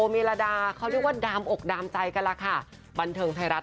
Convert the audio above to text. เมลาดาเขาเรียกว่าดามอกดามใจกันล่ะค่ะบันเทิงไทยรัฐ